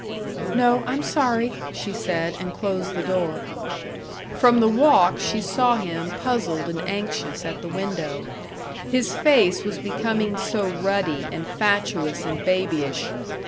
"No, I'm sorry " she said, and closed the door. From the walk she saw him puzzled and anxious at the window. His face was becoming so ruddy and fatuous and babyish.